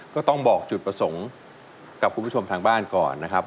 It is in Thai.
ก็ต้องบอกจุดประสงค์กับคุณผู้ชมทางบ้านก่อนนะครับ